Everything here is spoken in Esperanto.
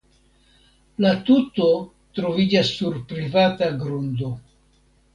La tuto troviĝas sur privata grundo.